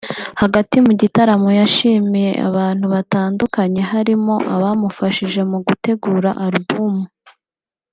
Hagati mu gitaramo yashimiye abantu batandukanye harimo abamufashije mu gutegura album